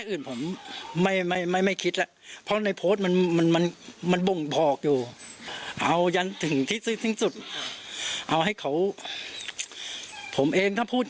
เอาให้เขาผมเองก็พูดง่ายเลยก็อยากให้เขาตายตามลูกผม